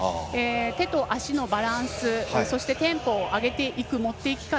手と足のバランスそしてテンポを上げていく持っていき方